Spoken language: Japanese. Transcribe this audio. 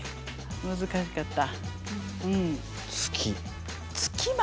難しかった。